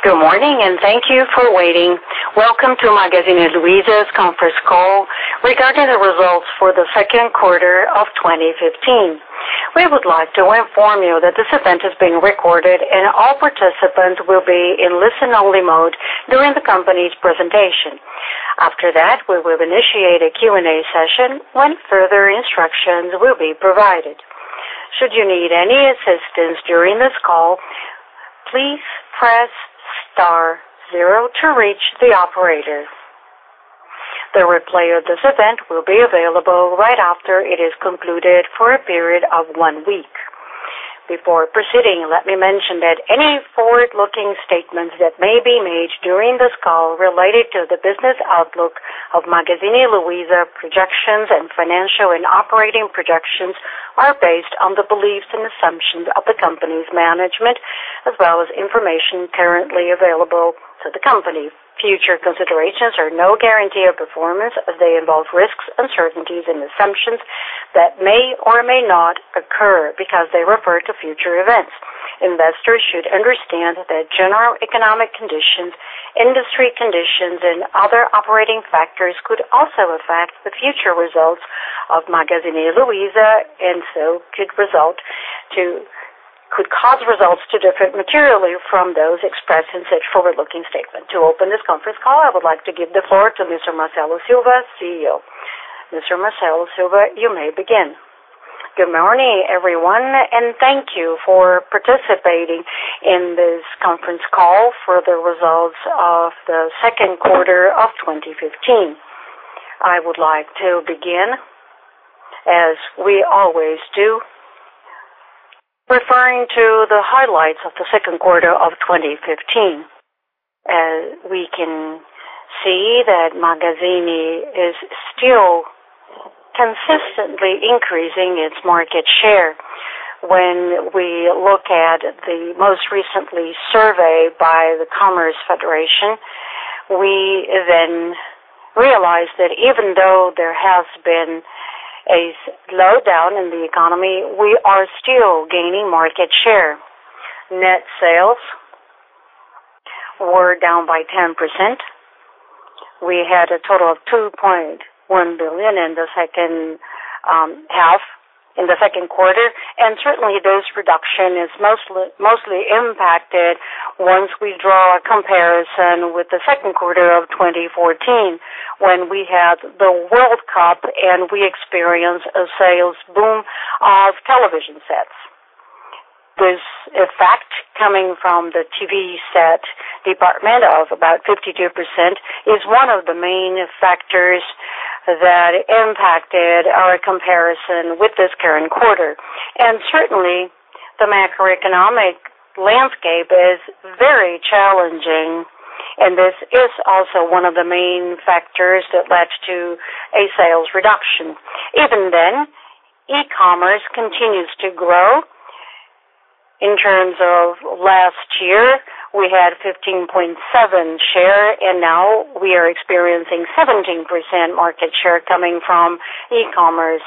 Good morning. Thank you for waiting. Welcome to Magazine Luiza's conference call regarding the results for the second quarter of 2015. We would like to inform you that this event is being recorded, and all participants will be in listen-only mode during the company's presentation. After that, we will initiate a Q&A session, when further instructions will be provided. Should you need any assistance during this call, please press star zero to reach the operator. The replay of this event will be available right after it is concluded for a period of one week. Before proceeding, let me mention that any forward-looking statements that may be made during this call related to the business outlook of Magazine Luiza, projections, and financial and operating projections are based on the beliefs and assumptions of the company's management, as well as information currently available to the company. Future considerations are no guarantee of performance, as they involve risks, uncertainties, and assumptions that may or may not occur because they refer to future events. Investors should understand that general economic conditions, industry conditions, and other operating factors could also affect the future results of Magazine Luiza, and so could cause results to differ materially from those expressed in such forward-looking statement. To open this conference call, I would like to give the floor to Mr. Marcelo Silva, CEO. Mr. Marcelo Silva, you may begin. Good morning, everyone. Thank you for participating in this conference call for the results of the second quarter of 2015. I would like to begin, as we always do, referring to the highlights of the second quarter of 2015. As we can see that Magazine is still consistently increasing its market share. When we look at the most recently surveyed by the Commerce Federation, we then realize that even though there has been a slowdown in the economy, we are still gaining market share. Net sales were down by 10%. We had a total of 2.1 billion in the second quarter, and certainly, this reduction is mostly impacted once we draw a comparison with the second quarter of 2014, when we had the World Cup, and we experienced a sales boom of television sets. This effect, coming from the TV set department of about 52%, is one of the main factors that impacted our comparison with this current quarter. Certainly, the macroeconomic landscape is very challenging, and this is also one of the main factors that led to a sales reduction. Even then, e-commerce continues to grow. In terms of last year, we had 15.7% share, and now we are experiencing 17% market share coming from e-commerce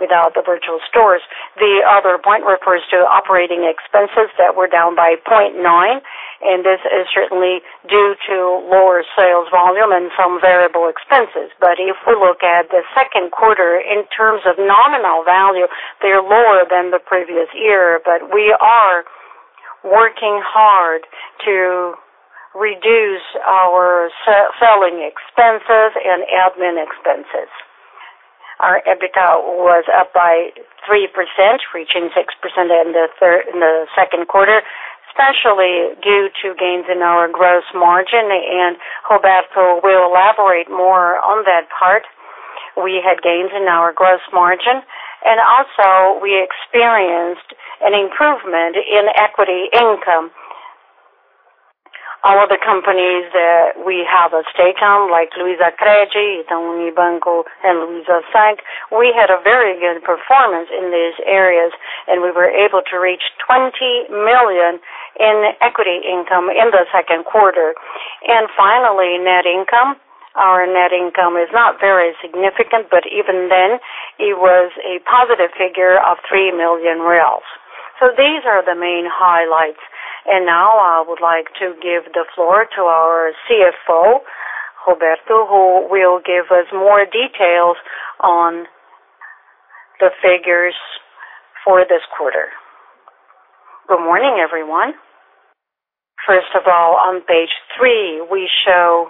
without the virtual stores. The other point refers to operating expenses that were down by 0.9%, and this is certainly due to lower sales volume and some variable expenses. If we look at the second quarter in terms of nominal value, they're lower than the previous year. We are working hard to reduce our selling expenses and admin expenses. Our EBITDA was up by 3%, reaching 6% in the second quarter, especially due to gains in our gross margin. Roberto will elaborate more on that part. We had gains in our gross margin, and also we experienced an improvement in equity income. All the companies that we have a stake on, like Luizacred, Itaú Unibanco, and LuizaSeg, we had a very good performance in these areas, and we were able to reach 20 million in equity income in the second quarter. Finally, net income. Our net income is not very significant, but even then, it was a positive figure of 3 million reais. These are the main highlights. Now I would like to give the floor to our CFO, Roberto, who will give us more details on the figures for this quarter. Good morning, everyone. First of all, on page three, we show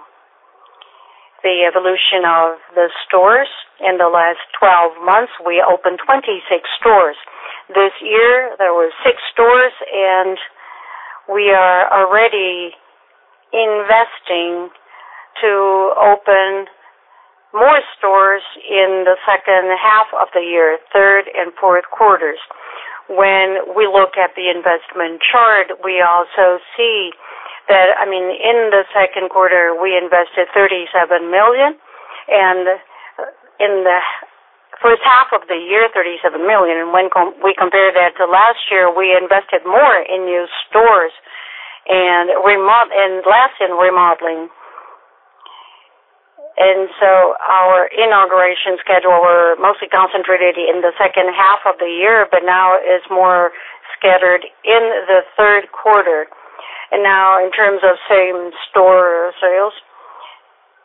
the evolution of the stores. In the last 12 months, we opened 26 stores. This year, there were six stores, and we are already investing to open more stores in the second half of the year, third and fourth quarters. When we look at the investment chart, we also see that, in the second quarter, we invested 37 million. In the first half of the year, 37 million. When we compare that to last year, we invested more in new stores and less in remodeling. Our inauguration schedule were mostly concentrated in the second half of the year, but now is more scattered in the third quarter. Now in terms of same-store sales,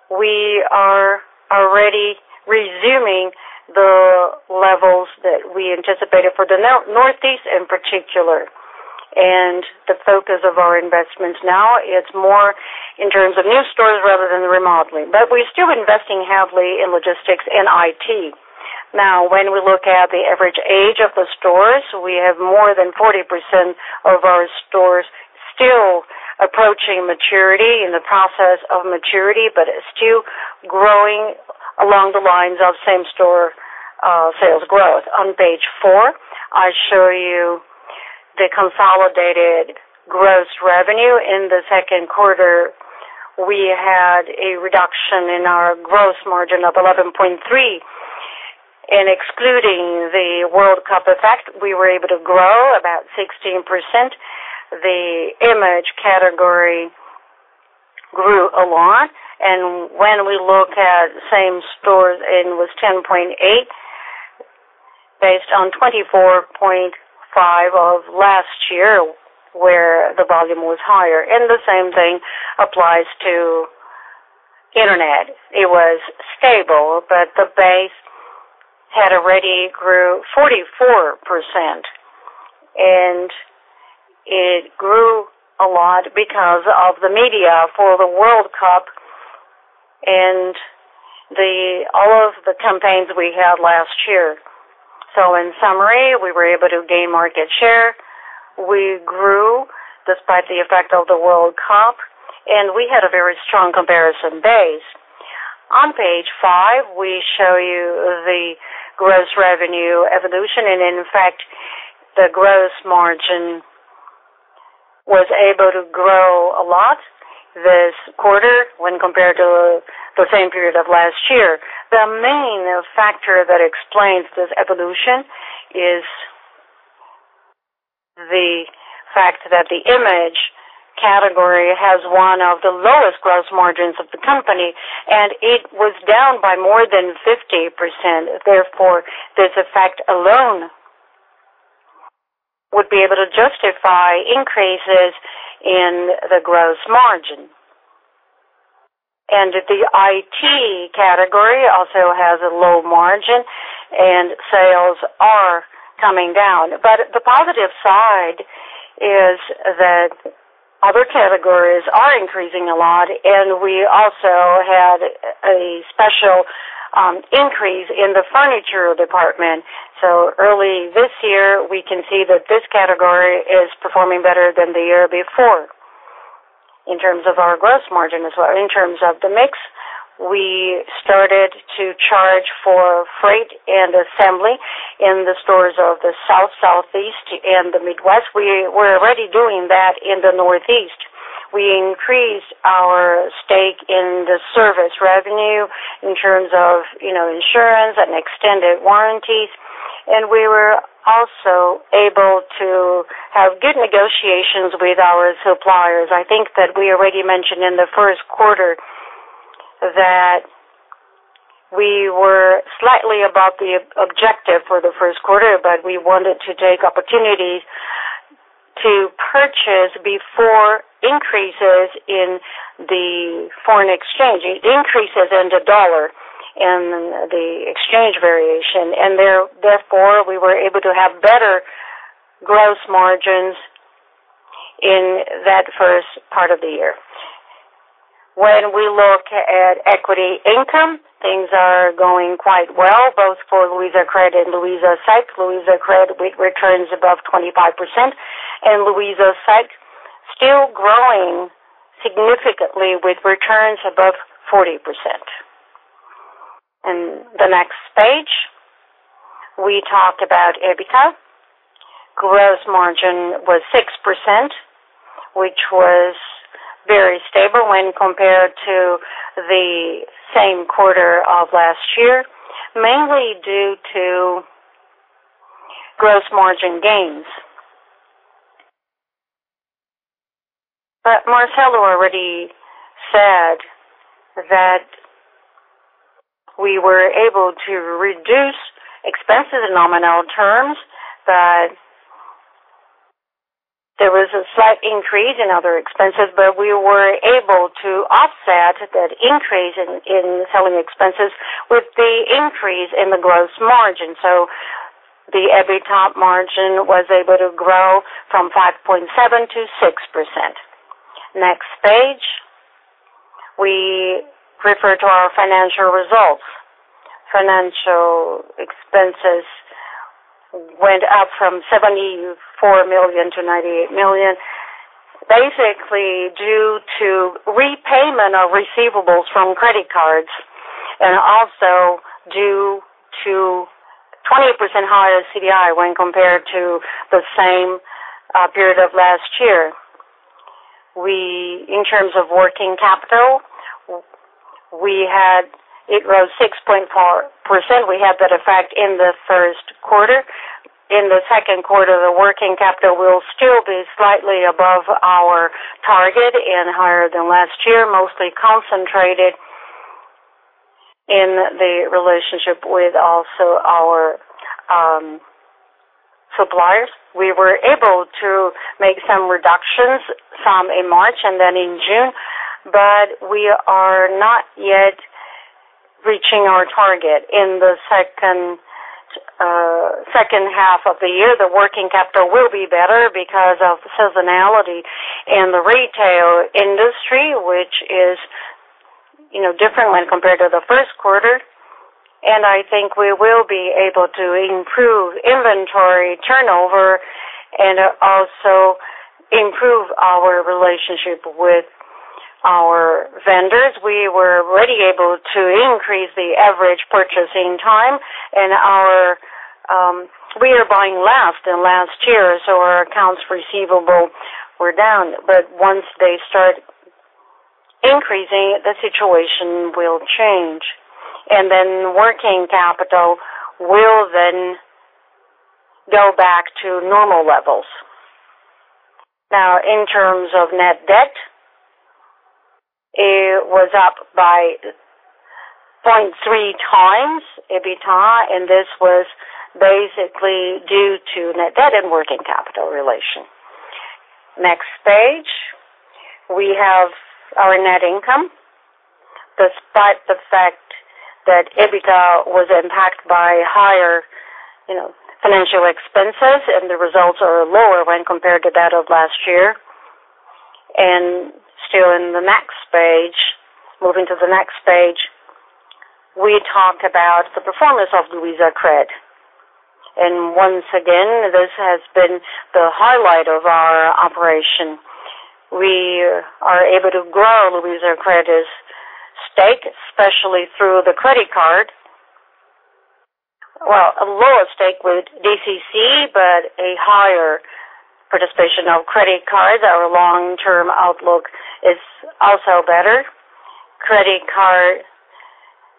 we are already resuming the levels that we anticipated for the Northeast in particular. The focus of our investments now is more in terms of new stores rather than remodeling. We're still investing heavily in logistics and IT. When we look at the average age of the stores, we have more than 40% of our stores still approaching maturity, in the process of maturity, but still growing along the lines of same-store sales growth. On page four, I show you the consolidated gross revenue. In the second quarter, we had a reduction in our gross margin of 11.3%. Excluding the World Cup effect, we were able to grow about 16%. The image category grew a lot. When we look at same stores, it was 10.8% based on 24.5% of last year, where the volume was higher. The same thing applies to internet. It was stable, but the base had already grew 44%. It grew a lot because of the media for the World Cup and all of the campaigns we had last year. In summary, we were able to gain market share. We grew despite the effect of the World Cup, and we had a very strong comparison base. On page five, we show you the gross revenue evolution. In fact, the gross margin was able to grow a lot this quarter when compared to the same period of last year. The main factor that explains this evolution is the fact that the image category has one of the lowest gross margins of the company, and it was down by more than 50%. Therefore, this effect alone would be able to justify increases in the gross margin. The IT category also has a low margin, and sales are coming down. The positive side is that other categories are increasing a lot, and we also had a special increase in the furniture department. Early this year, we can see that this category is performing better than the year before in terms of our gross margin as well. In terms of the mix, we started to charge for freight and assembly in the stores of the South, Southeast, and the Midwest. We were already doing that in the Northeast. We increased our stake in the service revenue in terms of insurance and extended warranties. We were also able to have good negotiations with our suppliers. I think that we already mentioned in the first quarter that we were slightly above the objective for the first quarter, but we wanted to take opportunities to purchase before increases in the foreign exchange, increases in the dollar and the exchange variation. Therefore, we were able to have better gross margins in that first part of the year. When we look at equity income, things are going quite well, both for Luizacred and LuizaSeg. Luizacred with returns above 25%, and LuizaSeg still growing significantly with returns above 40%. On the next page, we talked about EBITDA. Gross margin was 6%, which was very stable when compared to the same quarter of last year, mainly due to gross margin gains. Marcelo already said that we were able to reduce expenses in nominal terms, but there was a slight increase in other expenses, but we were able to offset that increase in selling expenses with the increase in the gross margin. The EBITDA margin was able to grow from 5.7% to 6%. On the next page, we refer to our financial results. Financial expenses went up from 74 million to 98 million, basically due to repayment of receivables from credit cards, and also due to 20% higher CDI when compared to the same period of last year. In terms of working capital, it rose 6.4%. We had that effect in the first quarter. In the second quarter, the working capital will still be slightly above our target and higher than last year, mostly concentrated in the relationship with also our suppliers. We were able to make some reductions in March and then in June, but we are not yet reaching our target. In the second half of the year, the working capital will be better because of the seasonality in the retail industry, which is different when compared to the first quarter. I think we will be able to improve inventory turnover and also improve our relationship with our vendors. We were already able to increase the average purchasing time, and we are buying less than last year, so our accounts receivable were down. Once they start increasing, the situation will change. Working capital will then go back to normal levels. Now, in terms of net debt, it was up by 0.3 times EBITDA, and this was basically due to net debt and working capital relation. On the next page, we have our net income. Despite the fact that EBITDA was impacted by higher financial expenses, the results are lower when compared to that of last year. Still on the next page, moving to the next page, we talk about the performance of Luizacred. Once again, this has been the highlight of our operation. We are able to grow Luizacred's stake, especially through the credit card. Well, a lower stake with CDC, but a higher participation of credit cards. Our long-term outlook is also better. Credit card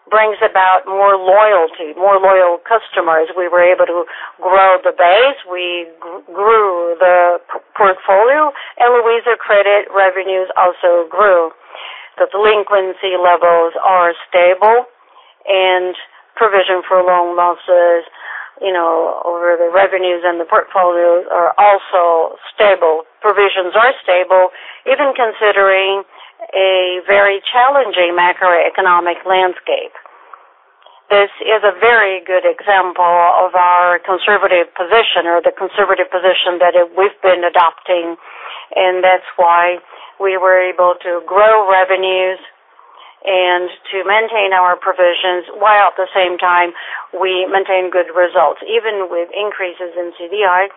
brings about more loyalty, more loyal customers. We were able to grow the base. We grew the portfolio, and Luizacred revenues also grew. The delinquency levels are stable, and provision for loan losses over the revenues and the portfolios are also stable. Provisions are stable, even considering a very challenging macroeconomic landscape. This is a very good example of our conservative position or the conservative position that we've been adopting, and that's why we were able to grow revenues and to maintain our provisions, while at the same time we maintain good results. Even with increases in CDI,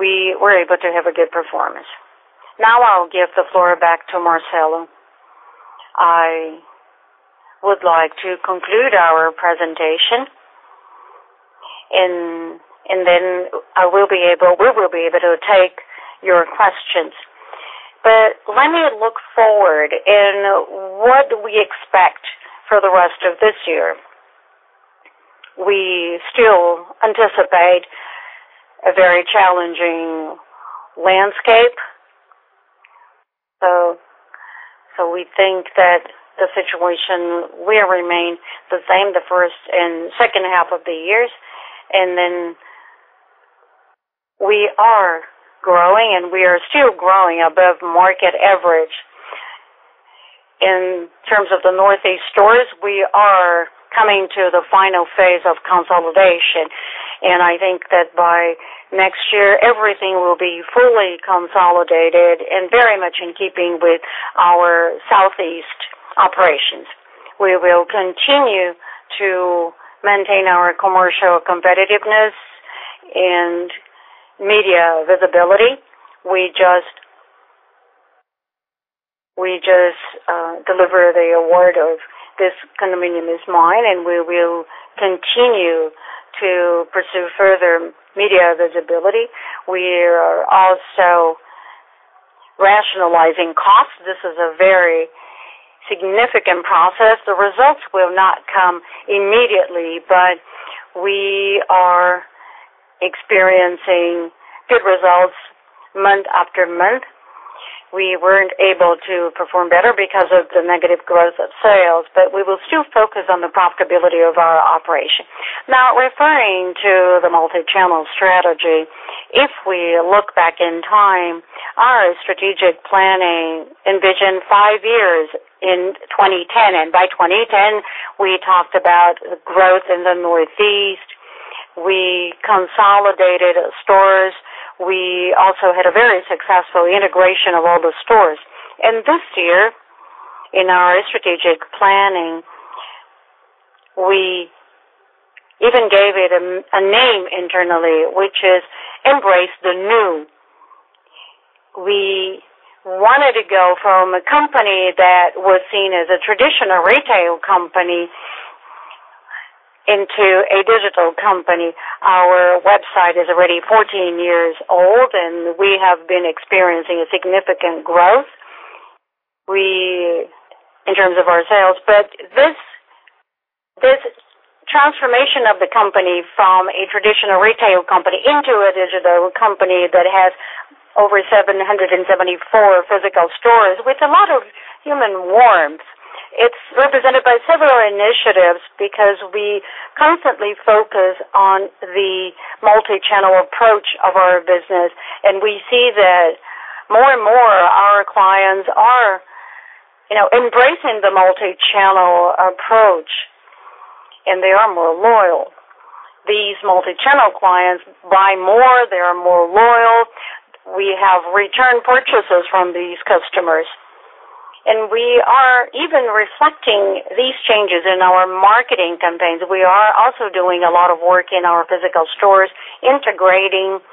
we were able to have a good performance. I'll give the floor back to Marcelo. I would like to conclude our presentation. We will be able to take your questions. Let me look forward in what we expect for the rest of this year. We still anticipate a very challenging landscape. We think that the situation will remain the same the first and second half of the years. We are growing, and we are still growing above market average. In terms of the Northeast stores, we are coming to the final phase of consolidation. I think that by next year, everything will be fully consolidated and very much in keeping with our Southeast operations. We will continue to maintain our commercial competitiveness and media visibility. We just deliver the award of This Condominium Is Mine, and we will continue to pursue further media visibility. We are also rationalizing costs. This is a very significant process. The results will not come immediately, but we are experiencing good results month after month. We weren't able to perform better because of the negative growth of sales, but we will still focus on the profitability of our operation. Referring to the multi-channel strategy, if we look back in time, our strategic planning envisioned five years in 2010. By 2010, we talked about growth in the Northeast. We consolidated stores. We also had a very successful integration of all the stores. This year, in our strategic planning, we even gave it a name internally, which is Embrace the New. We wanted to go from a company that was seen as a traditional retail company into a digital company. Our website is already 14 years old, and we have been experiencing significant growth. This transformation of the company from a traditional retail company into a digital company that has over 774 physical stores with a lot of human warmth. It's represented by several initiatives because we constantly focus on the multi-channel approach of our business, and we see that more and more our clients are embracing the multi-channel approach, and they are more loyal. These multi-channel clients buy more. They are more loyal. We have return purchases from these customers. We are even reflecting these changes in our marketing campaigns. We are also doing a lot of work in our physical stores, integrating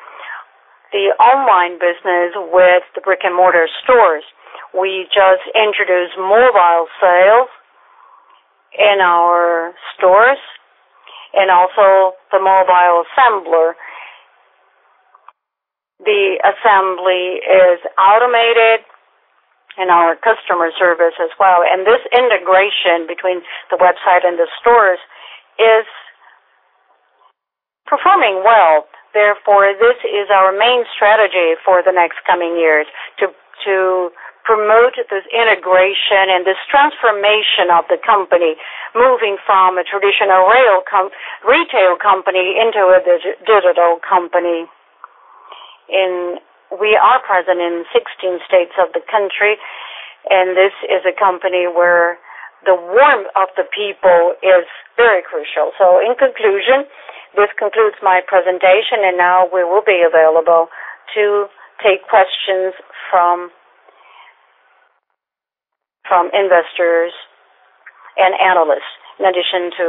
the online business with the brick-and-mortar stores. We just introduced mobile sales in our stores and also the mobile assembler. The assembly is automated in our customer service as well. This integration between the website and the stores is performing well. Therefore, this is our main strategy for the next coming years, to promote this integration and this transformation of the company, moving from a traditional retail company into a digital company. We are present in 16 states of the country, and this is a company where the warmth of the people is very crucial. In conclusion, this concludes my presentation, and now we will be available to take questions from investors and analysts. In addition to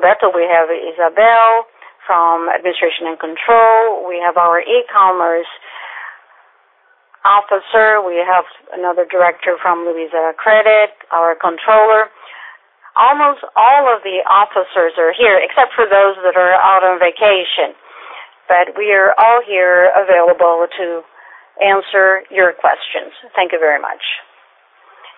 Roberto, we have Isabel from Administration and Control. We have our e-commerce officer. We have another director from Luizacred, our controller. Almost all of the officers are here except for those that are out on vacation. We are all here available to answer your questions. Thank you very much.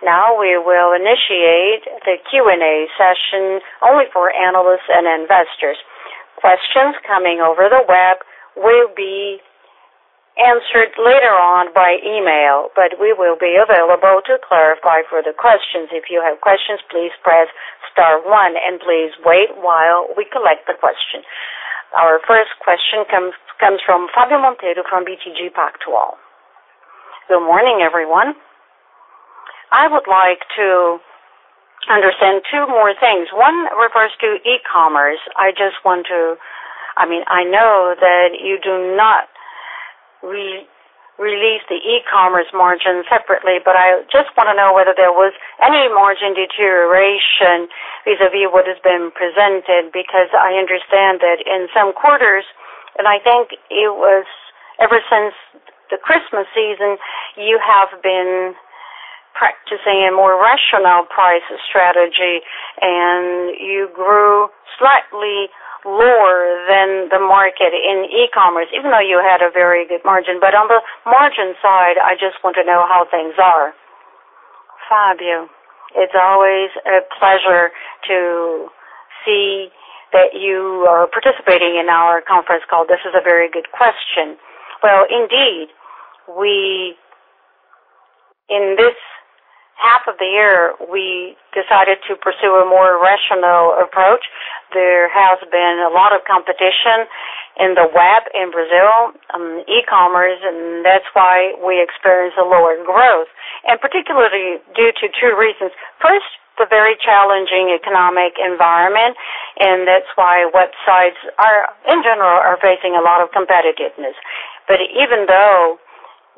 Now, we will initiate the Q&A session only for analysts and investors. Questions coming over the web will be answered later on by email, but we will be available to clarify further questions. If you have questions, please press star one and please wait while we collect the question. Our first question comes from Fabio Monteiro from BTG Pactual. Good morning, everyone. I would like to understand two more things. One refers to e-commerce. I know that you do not release the e-commerce margin separately, but I just want to know whether there was any margin deterioration vis-a-vis what has been presented, because I understand that in some quarters, and I think it was ever since the Christmas season, you have been practicing a more rational price strategy, and you grew slightly lower than the market in e-commerce, even though you had a very good margin. On the margin side, I just want to know how things are. Fabio, it's always a pleasure to see that you are participating in our conference call. This is a very good question. Indeed, in this half of the year, we decided to pursue a more rational approach. There has been a lot of competition in the web in Brazil on e-commerce, and that's why we experienced a lower growth, and particularly due to two reasons. First, the very challenging economic environment, and that's why websites are, in general, facing a lot of competitiveness. Even though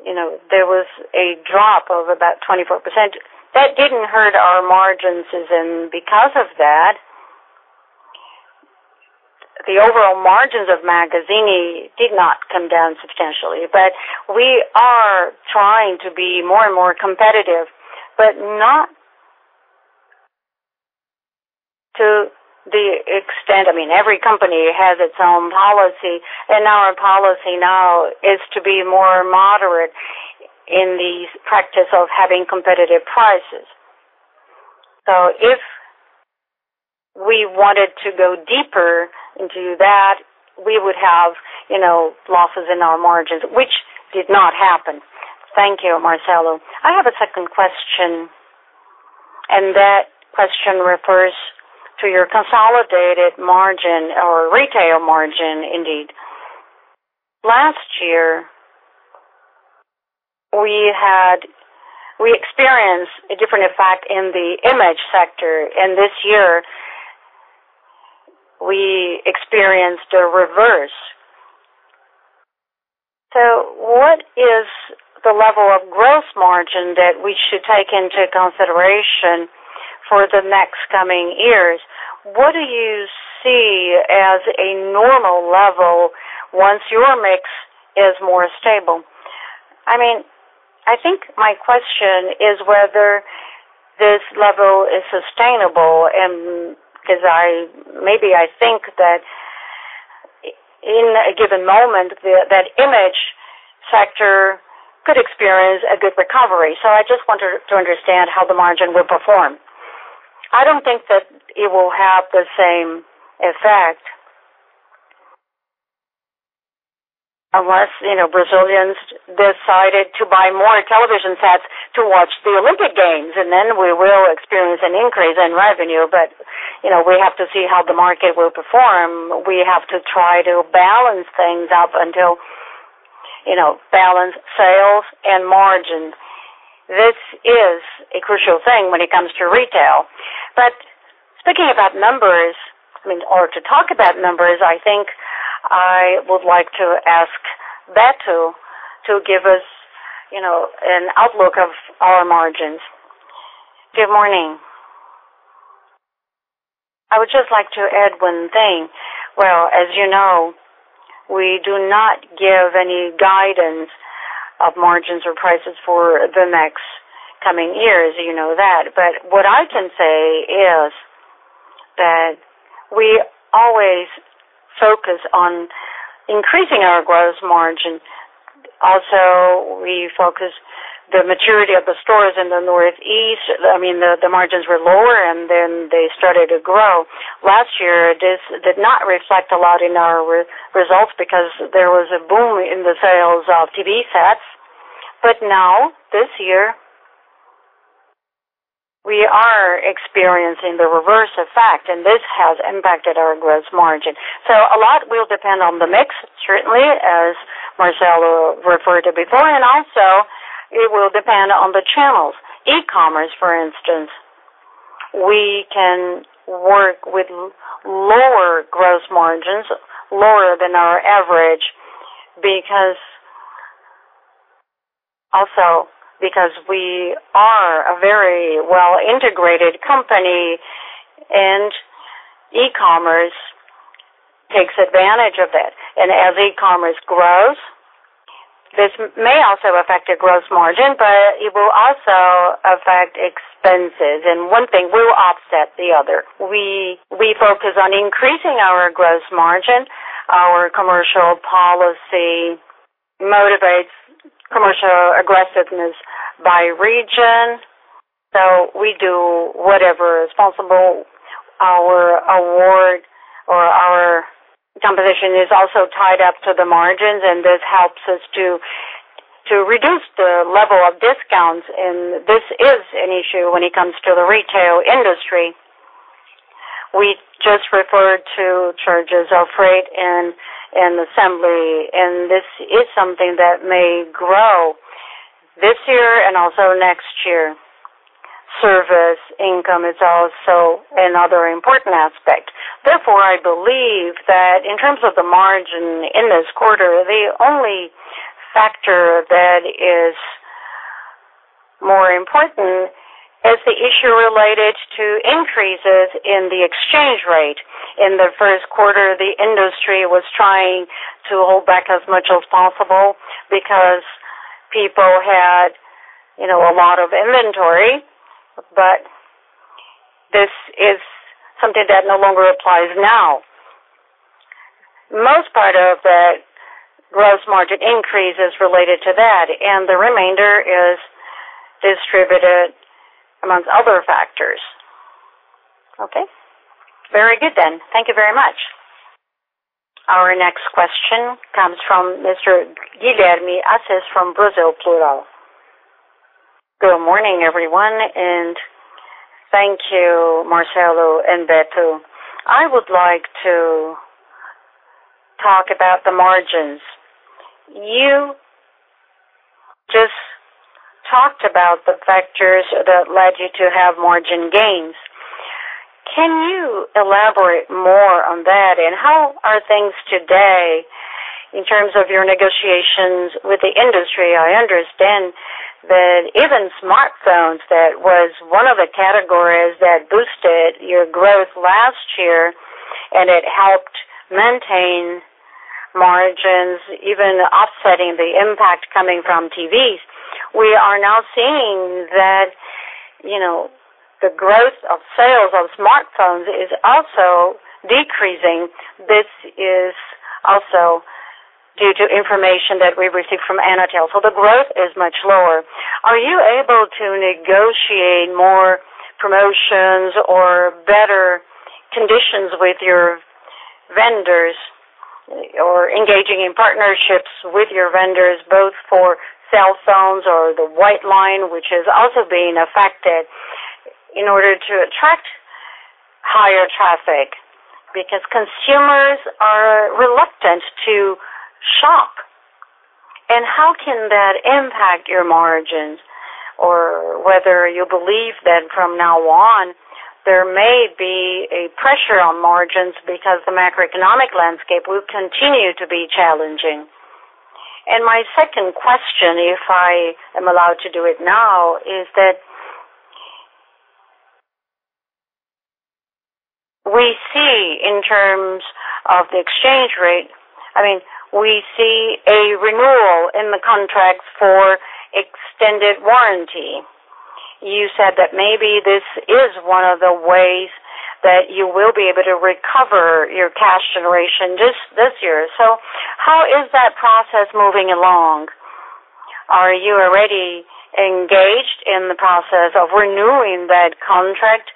there was a drop of about 24%, that didn't hurt our margins, and because of that, the overall margins of Magazine did not come down substantially. We are trying to be more and more competitive, not to the extent. Every company has its own policy, and our policy now is to be more moderate in the practice of having competitive prices. If we wanted to go deeper into that, we would have losses in our margins, which did not happen. Thank you, Marcelo. I have a second question, and that question refers to your consolidated margin or retail margin indeed. Last year, we experienced a different effect in the image sector, and this year, we experienced a reverse. What is the level of gross margin that we should take into consideration for the next coming years? What do you see as a normal level once your mix is more stable? I think my question is whether this level is sustainable, because maybe I think that in a given moment, that image sector could experience a good recovery. I just wanted to understand how the margin will perform. I don't think that it will have the same effect unless Brazilians decided to buy more television sets to watch the Olympic Games, and then we will experience an increase in revenue. We have to see how the market will perform. We have to try to balance things, balance sales and margin. This is a crucial thing when it comes to retail. Speaking about numbers, or to talk about numbers, I think I would like to ask Beto to give us an outlook of our margins. Good morning. I would just like to add one thing. As you know, we do not give any guidance of margins or prices for the next coming years, you know that. What I can say is that we always focus on increasing our gross margin. We focus the maturity of the stores in the Northeast. The margins were lower, and then they started to grow. Last year, this did not reflect a lot in our results because there was a boom in the sales of TV sets. Now, this year, we are experiencing the reverse effect, and this has impacted our gross margin. A lot will depend on the mix, certainly, as Marcelo referred to before, and also it will depend on the channels. E-commerce, for instance, we can work with lower gross margins, lower than our average also because we are a very well-integrated company, and e-commerce takes advantage of it. As e-commerce grows, this may also affect a gross margin, but it will also affect expenses. One thing will offset the other. We focus on increasing our gross margin. Our commercial policy motivates commercial aggressiveness by region. We do whatever is possible. Our award or our composition is also tied up to the margins, this helps us to reduce the level of discounts, and this is an issue when it comes to the retail industry. We just referred to charges of freight and assembly, this is something that may grow this year and also next year. Service income is also another important aspect. Therefore, I believe that in terms of the margin in this quarter, the only factor that is more important is the issue related to increases in the exchange rate. In the first quarter, the industry was trying to hold back as much as possible because people had a lot of inventory, this is something that no longer applies now. Most part of the gross margin increase is related to that, the remainder is distributed amongst other factors. Okay. Very good. Thank you very much. Our next question comes from Mr. Guilherme Assis from Brasil Plural. Good morning, everyone, thank you, Marcelo and Beto. I would like to talk about the margins. You just talked about the factors that led you to have margin gains. Can you elaborate more on that, how are things today in terms of your negotiations with the industry? I understand that even smartphones, that was one of the categories that boosted your growth last year, it helped maintain margins, even offsetting the impact coming from TVs. We are now seeing that the growth of sales of smartphones is also decreasing. This is also due to information that we received from Anatel. The growth is much lower. Are you able to negotiate more promotions or better conditions with your vendors, or engaging in partnerships with your vendors, both for cell phones or the white line, which is also being affected, in order to attract higher traffic? Because consumers are reluctant to shop. How can that impact your margins? Whether you believe that from now on, there may be a pressure on margins because the macroeconomic landscape will continue to be challenging. My second question, if I am allowed to do it now, is that we see in terms of the exchange rate, we see a renewal in the contracts for extended warranty. You said that maybe this is one of the ways that you will be able to recover your cash generation this year. How is that process moving along? Are you already engaged in the process of renewing that contract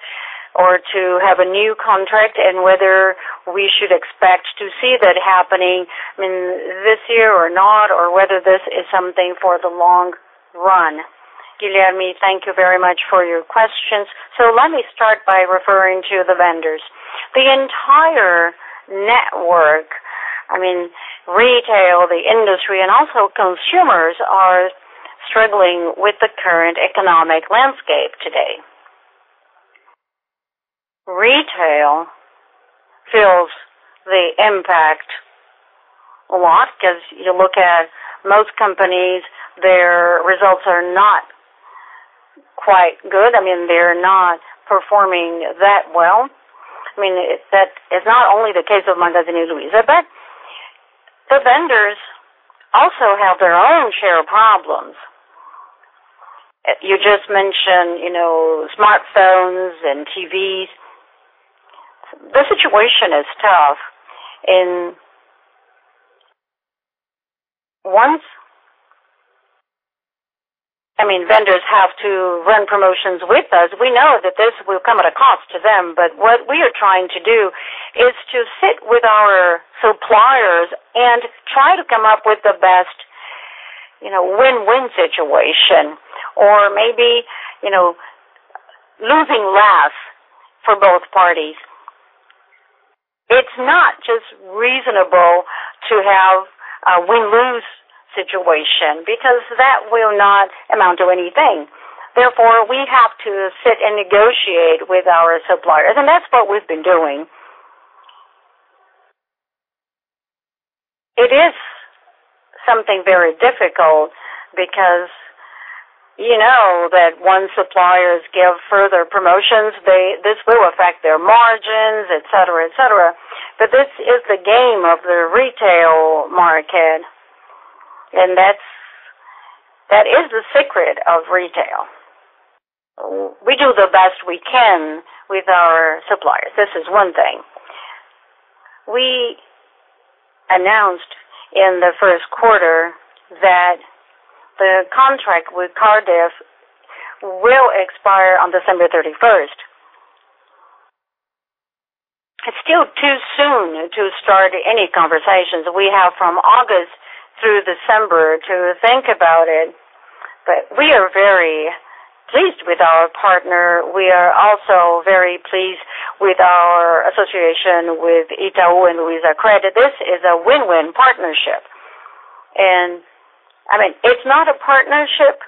or to have a new contract, and whether we should expect to see that happening this year or not, or whether this is something for the long run? Guilherme, thank you very much for your questions. Let me start by referring to the vendors. The entire network, retail, the industry, and also consumers are struggling with the current economic landscape today. Retail feels the impact a lot because you look at most companies, their results are not quite good. They're not performing that well. That is not only the case of Magazine Luiza, but the vendors also have their own share of problems. You just mentioned smartphones and TVs. The situation is tough. Vendors have to run promotions with us. We know that this will come at a cost to them, what we are trying to do is to sit with our suppliers and try to come up with the best win-win situation or maybe losing less for both parties. It's not just reasonable to have a win-lose situation, because that will not amount to anything. We have to sit and negotiate with our suppliers, and that's what we've been doing. It is something very difficult because you know that once suppliers give further promotions, this will affect their margins, et cetera. This is the game of the retail market, and that is the secret of retail. We do the best we can with our suppliers. This is one thing. We announced in the first quarter that the contract with Cardif will expire on December 31st. It's still too soon to start any conversations. We have from August through December to think about it, we are very pleased with our partner. We are also very pleased with our association with Itaú and Luizacred. This is a win-win partnership.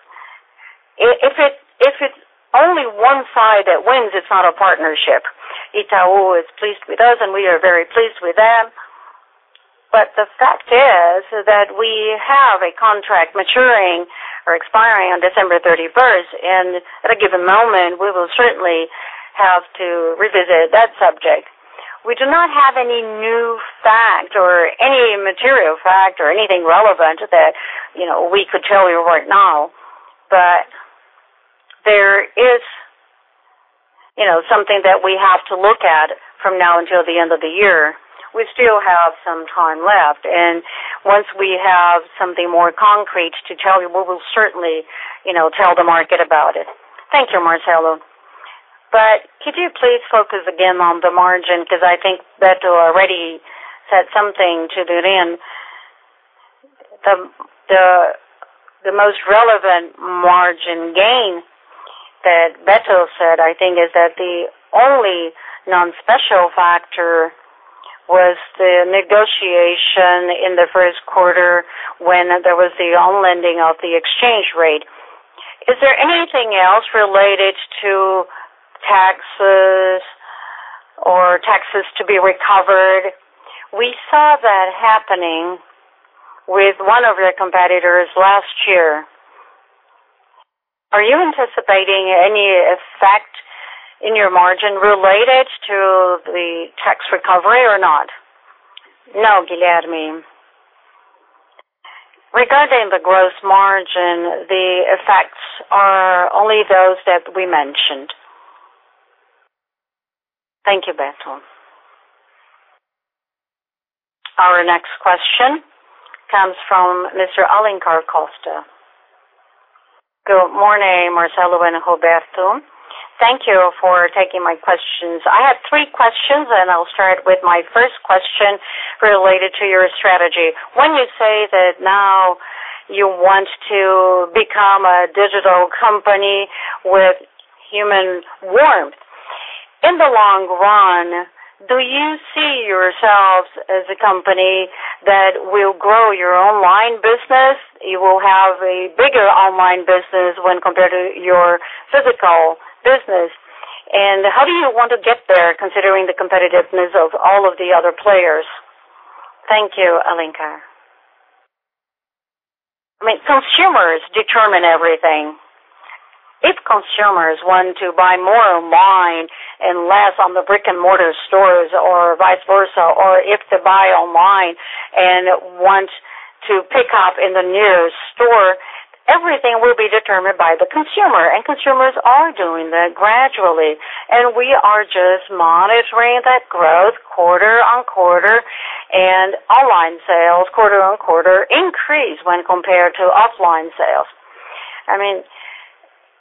If it's only one side that wins, it's not a partnership. Itaú is pleased with us, and we are very pleased with them. The fact is that we have a contract maturing or expiring on December 31st, and at a given moment, we will certainly have to revisit that subject. We do not have any new fact or any material fact or anything relevant that we could tell you right now. There is something that we have to look at from now until the end of the year. We still have some time left, and once we have something more concrete to tell you, we will certainly tell the market about it. Thank you, Marcelo. Could you please focus again on the margin? I think Beto already said something to Alencar. The most relevant margin gain that Beto said, I think, is that the only non-special factor was the negotiation in the first quarter when there was the unlending of the exchange rate. Is there anything else related to taxes or taxes to be recovered? We saw that happening with one of your competitors last year. Are you anticipating any effect in your margin related to the tax recovery or not? No, Guilherme. Regarding the gross margin, the effects are only those that we mentioned. Thank you, Beto. Our next question comes from Mr. Alencar Costa. Good morning, Marcelo and Roberto. Thank you for taking my questions. I have three questions, I'll start with my first question related to your strategy. When you say that now you want to become a digital company with human warmth. In the long run, do you see yourselves as a company that will grow your online business? You will have a bigger online business when compared to your physical business. How do you want to get there, considering the competitiveness of all of the other players? Thank you, Alencar. Consumers determine everything. If consumers want to buy more online and less on the brick-and-mortar stores or vice versa, or if they buy online and want to pick up in the nearest store. Everything will be determined by the consumer, and consumers are doing that gradually. We are just monitoring that growth quarter on quarter, and online sales quarter on quarter increase when compared to offline sales.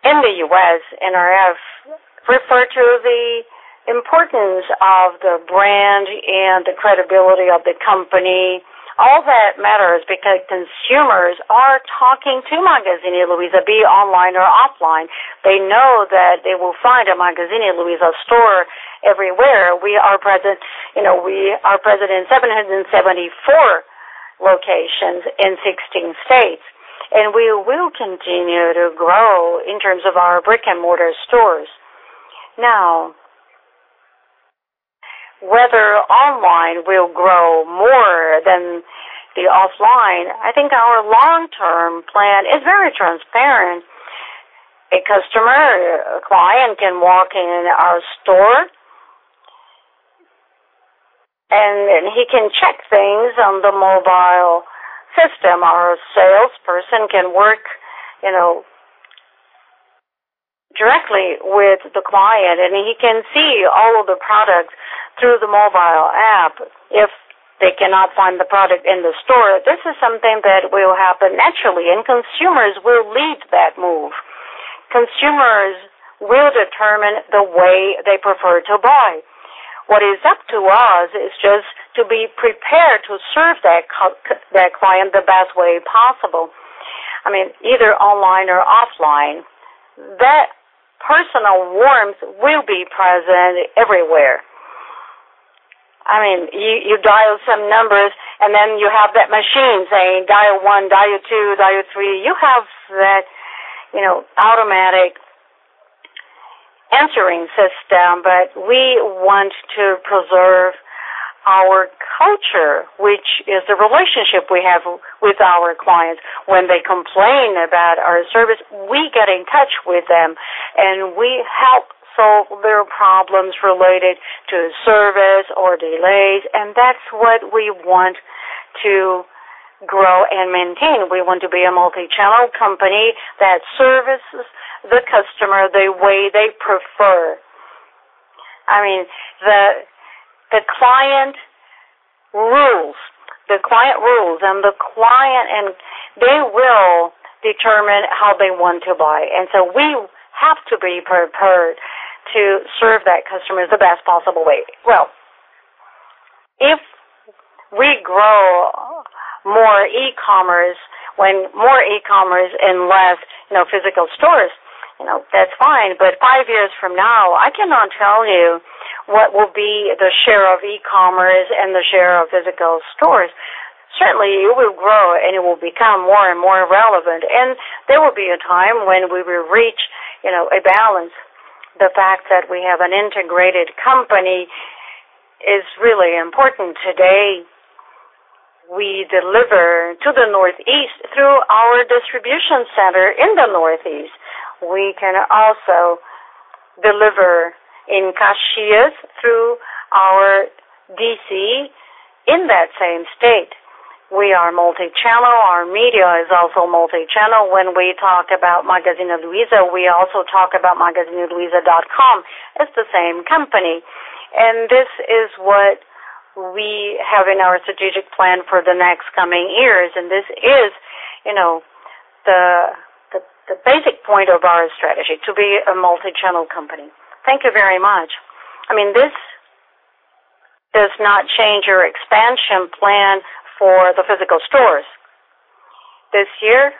In the U.S., NRF referred to the importance of the brand and the credibility of the company. All that matters because consumers are talking to Magazine Luiza, be it online or offline. They know that they will find a Magazine Luiza store everywhere. We are present in 774 locations in 16 states, and we will continue to grow in terms of our brick-and-mortar stores. Whether online will grow more than the offline, I think our long-term plan is very transparent. A customer, a client can walk in our store, and he can check things on the mobile system. Our salesperson can work directly with the client, and he can see all of the products through the mobile app if they cannot find the product in the store. This is something that will happen naturally, and consumers will lead that move. Consumers will determine the way they prefer to buy. What is up to us is just to be prepared to serve that client the best way possible. Either online or offline, that personal warmth will be present everywhere. You dial some numbers, and then you have that machine saying, "Dial one, dial two, dial three." You have that automatic answering system, we want to preserve our culture, which is the relationship we have with our clients. When they complain about our service, we get in touch with them, and we help solve their problems related to service or delays, and that's what we want to grow and maintain. We want to be a multi-channel company that services the customer the way they prefer. The client rules, and they will determine how they want to buy. We have to be prepared to serve that customer the best possible way. Well, if we grow more e-commerce and less physical stores, that's fine. Five years from now, I cannot tell you what will be the share of e-commerce and the share of physical stores. Certainly, it will grow, and it will become more and more relevant. There will be a time when we will reach a balance. The fact that we have an integrated company is really important. Today, we deliver to the Northeast through our distribution center in the Northeast. We can also deliver in Caxias through our DC in that same state. We are multi-channel. Our media is also multi-channel. When we talk about Magazine Luiza, we also talk about magazineluiza.com. It's the same company, and this is what we have in our strategic plan for the next coming years, and this is the basic point of our strategy, to be a multi-channel company. Thank you very much. This does not change our expansion plan for the physical stores. This year?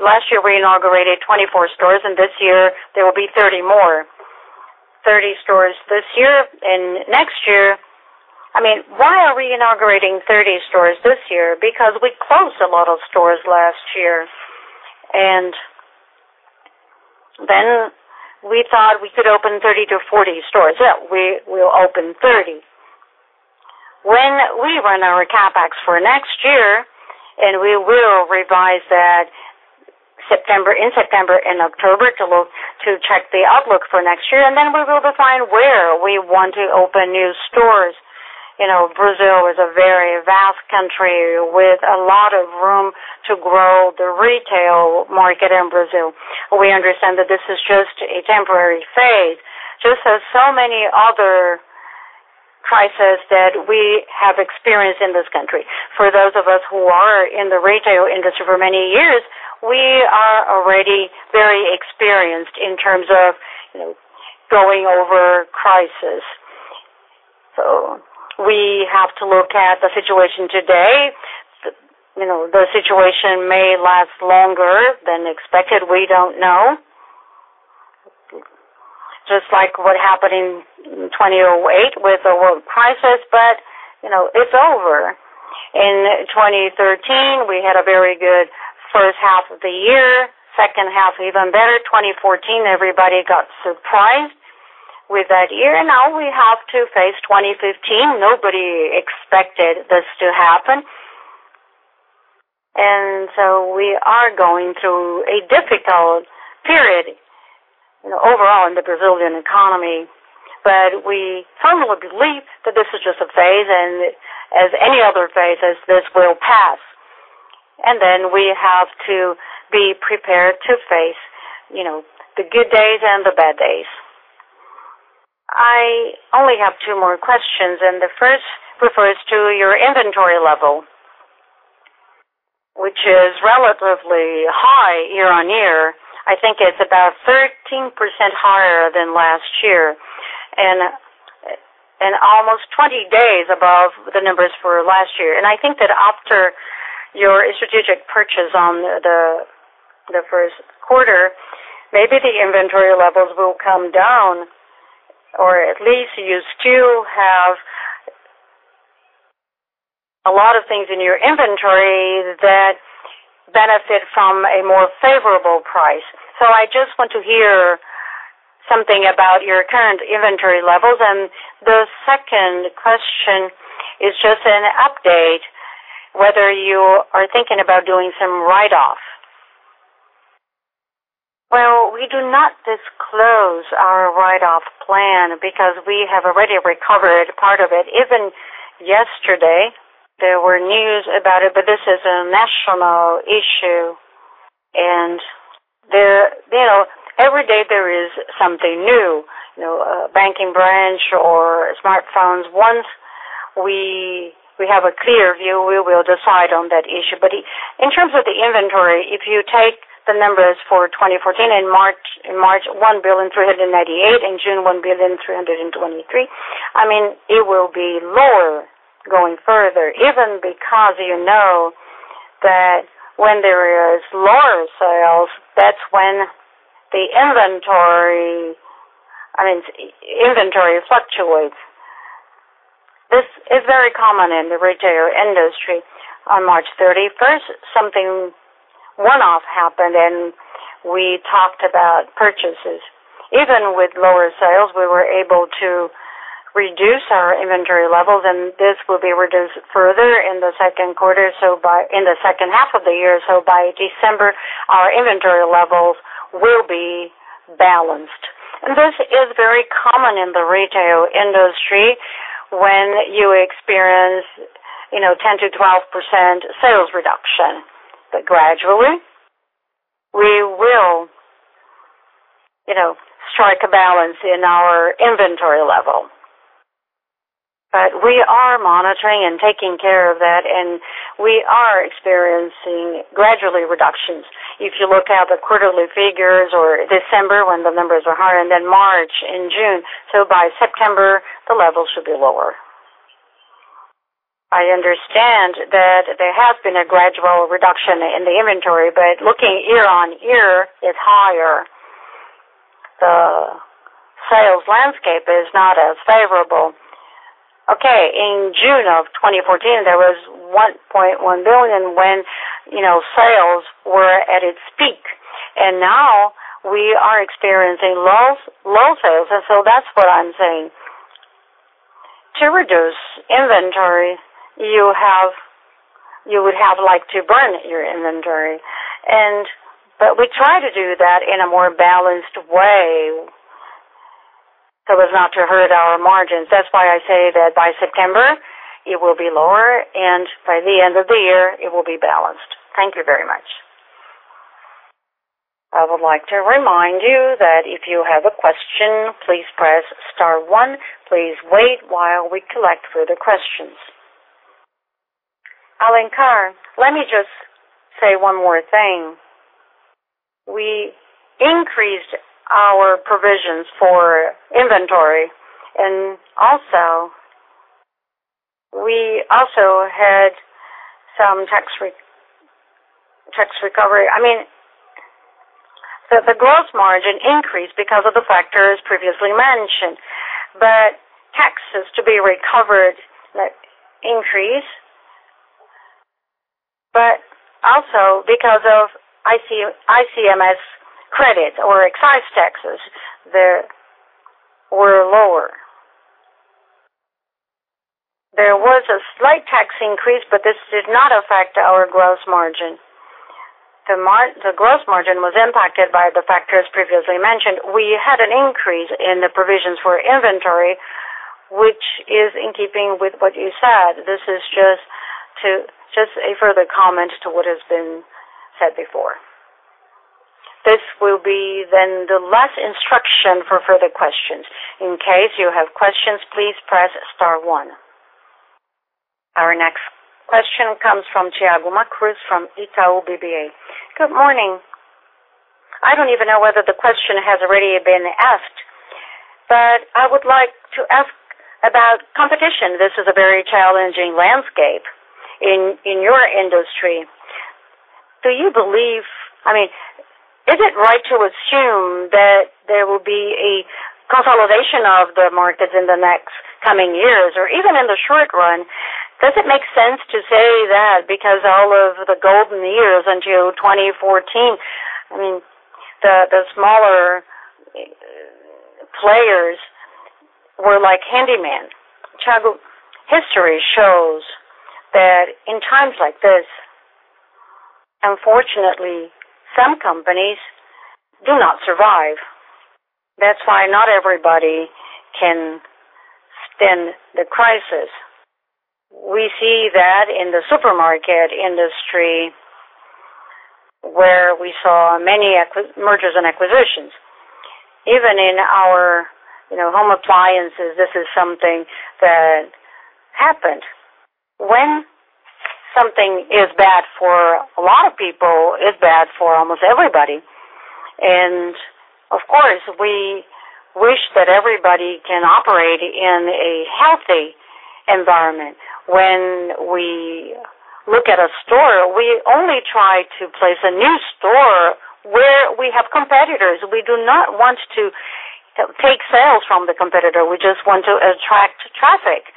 Last year, we inaugurated 24 stores, and this year there will be 30 more. 30 stores this year, and next year. Why are we inaugurating 30 stores this year? We closed a lot of stores last year, and then we thought we could open 30 to 40 stores. Yeah, we will open 30. When we run our CapEx for next year, and we will revise that in September and October to check the outlook for next year, and then we will define where we want to open new stores. Brazil is a very vast country with a lot of room to grow the retail market in Brazil. We understand that this is just a temporary phase, just as so many other crises that we have experienced in this country. For those of us who are in the retail industry for many years, we are already very experienced in terms of going over crises. We have to look at the situation today. The situation may last longer than expected, we don't know. Just like what happened in 2008 with the world crisis, but it's over. In 2013, we had a very good first half of the year, second half, even better. 2014, everybody got surprised with that year. Now we have to face 2015. Nobody expected this to happen. We are going through a difficult period overall in the Brazilian economy. We firmly believe that this is just a phase, and as any other phases, this will pass. We have to be prepared to face the good days and the bad days. I only have two more questions, and the first refers to your inventory level, which is relatively high year-on-year. I think it's about 13% higher than last year, and almost 20 days above the numbers for last year. I think that after your strategic purchase on the first quarter, maybe the inventory levels will come down, or at least you still have a lot of things in your inventory that benefit from a more favorable price. I just want to hear something about your current inventory levels. The second question is just an update, whether you are thinking about doing some write-off. Well, we do not disclose our write-off plan because we have already recovered part of it. Even yesterday, there were news about it, but this is a national issue, and every day there is something new, a banking branch or smartphones. Once we have a clear view, we will decide on that issue. In terms of the inventory, if you take the numbers for 2014, in March 1.398 billion. In June, 1.323 billion. It will be lower going further, even because you know that when there is lower sales, that's when the inventory fluctuates. This is very common in the retail industry. On March 31st, something one-off happened, and we talked about purchases. Even with lower sales, we were able to reduce our inventory levels, and this will be reduced further in the second half of the year. By December, our inventory levels will be balanced. This is very common in the retail industry when you experience 10%-12% sales reduction. Gradually, we will strike a balance in our inventory level. We are monitoring and taking care of that, and we are experiencing gradual reductions. If you look at the quarterly figures or December when the numbers are higher, then March and June. By September, the level should be lower. I understand that there has been a gradual reduction in the inventory, but looking year-on-year is higher. The sales landscape is not as favorable. Okay. In June of 2014, there was 1.1 billion when sales were at its peak. Now we are experiencing low sales. That's what I'm saying. To reduce inventory, you would have liked to burn your inventory. We try to do that in a more balanced way so as not to hurt our margins. That's why I say that by September it will be lower, and by the end of the year, it will be balanced. Thank you very much. I would like to remind you that if you have a question, please press star one. Please wait while we collect further questions. Alencar, let me just say one more thing. We increased our provisions for inventory, and we also had some tax recovery. The gross margin increased because of the factors previously mentioned. Taxes to be recovered increase. Also, because of ICMS credit or excise taxes, they were lower. There was a slight tax increase, but this did not affect our gross margin. The gross margin was impacted by the factors previously mentioned. We had an increase in the provisions for inventory, which is in keeping with what you said. This is just a further comment to what has been said before. This will be then the last instruction for further questions. In case you have questions, please press star one. Our next question comes from Thiago Cruz from Itaú BBA. Good morning. I don't even know whether the question has already been asked, I would like to ask about competition. This is a very challenging landscape in your industry. Is it right to assume that there will be a consolidation of the markets in the next coming years or even in the short run? Does it make sense to say that because all of the golden years until 2014, the smaller players were like handymen. History shows that in times like this, unfortunately, some companies do not survive. That's why not everybody can stand the crisis. We see that in the supermarket industry, where we saw many mergers and acquisitions. Even in our home appliances, this is something that happened. When something is bad for a lot of people, it's bad for almost everybody. Of course, we wish that everybody can operate in a healthy environment. When we look at a store, we only try to place a new store where we have competitors. We do not want to take sales from the competitor. We just want to attract traffic.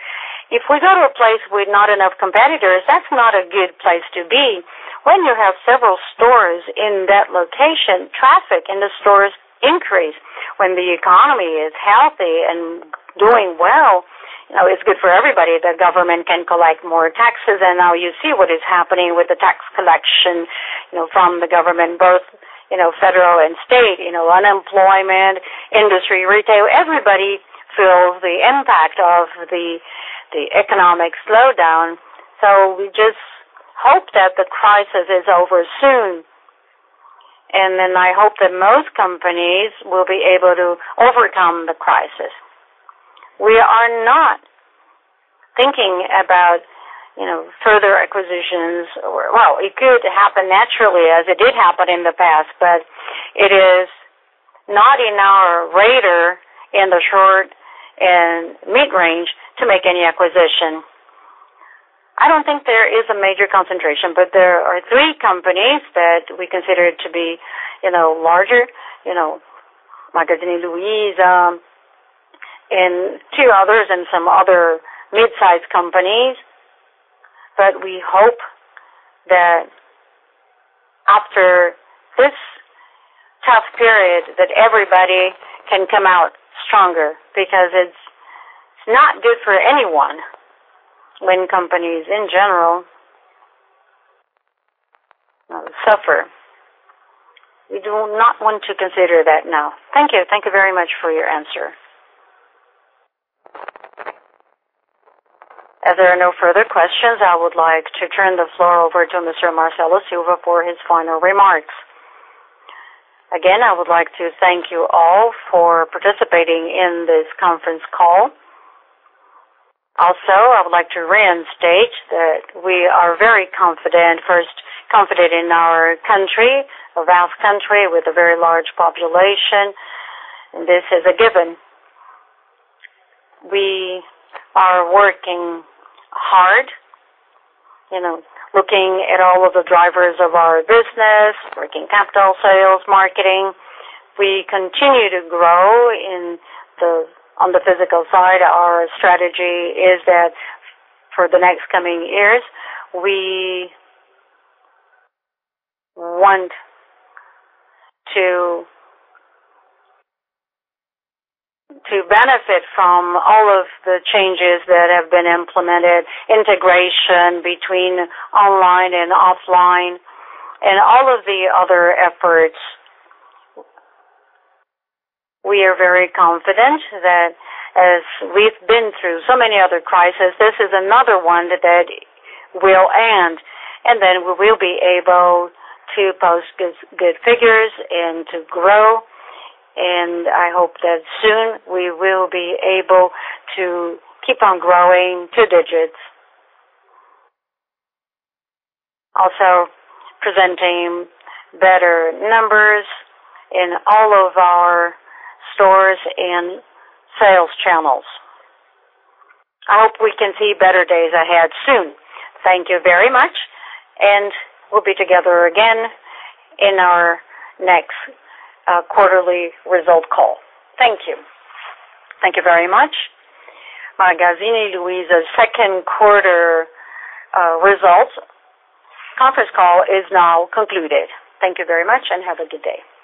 If we go to a place with not enough competitors, that's not a good place to be. When you have several stores in that location, traffic in the stores increase. When the economy is healthy and doing well, it's good for everybody. The government can collect more taxes. Now you see what is happening with the tax collection from the government, both federal and state. Unemployment, industry, retail, everybody feels the impact of the economic slowdown. We just hope that the crisis is over soon. I hope that most companies will be able to overcome the crisis. We are not thinking about further acquisitions. It could happen naturally, as it did happen in the past, it is not in our radar in the short and mid-range to make any acquisition. I don't think there is a major concentration, there are three companies that we consider to be larger, Magazine Luiza, and two others, and some other mid-size companies. We hope that after this tough period, that everybody can come out stronger, because it's not good for anyone when companies in general suffer. We do not want to consider that now. Thank you. Thank you very much for your answer. As there are no further questions, I would like to turn the floor over to Mr. Marcelo Silva for his final remarks. Again, I would like to thank you all for participating in this conference call. I would like to reinstate that we are very confident. First, confident in our country, a vast country with a very large population. This is a given. We are working hard, looking at all of the drivers of our business, working capital, sales, marketing. We continue to grow. On the physical side, our strategy is that for the next coming years, we want to benefit from all of the changes that have been implemented, integration between online and offline, and all of the other efforts. We are very confident that as we've been through so many other crises, this is another one that will end, then we will be able to post good figures and to grow. I hope that soon we will be able to keep on growing two digits. Presenting better numbers in all of our stores and sales channels. I hope we can see better days ahead soon. Thank you very much, we'll be together again in our next quarterly result call. Thank you. Thank you very much. Magazine Luiza's second quarter results conference call is now concluded. Thank you very much, have a good day.